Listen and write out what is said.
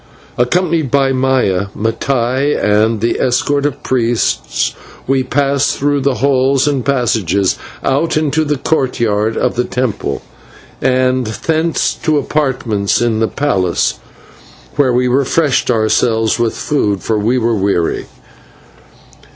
Accompanied by Maya, Mattai, and the escort of priests, we passed through the halls and passages out into the courtyard of the temple, and thence to apartments in the palace, where we refreshed ourselves with food, for we were weary.